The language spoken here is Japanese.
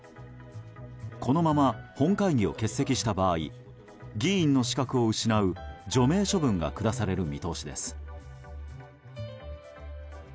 このまま本会議を欠席した場合議員の資格を失う除名処分が下される見通しです。